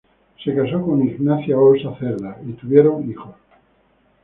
Se casó con Ignacia Ossa Cerda y tuvieron hijos.